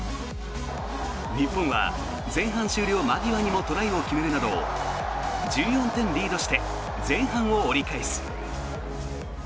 日本は前半終了間際にもトライを決めるなど１４点リードして前半を折り返す。